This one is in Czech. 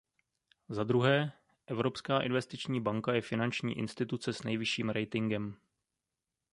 Zadruhé, Evropská investiční banka je finanční instituce s nejvyšším ratingem.